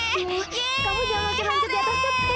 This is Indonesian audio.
kamu jangan lonceng rancet di atas tepi